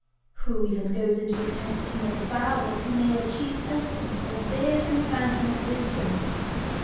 Who even goes into a temple to make a vow, that he may achieve eloquence or bathe in the fountain of wisdom?